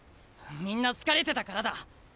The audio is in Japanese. みんな疲れてたからだ。